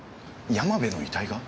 山部の遺体が？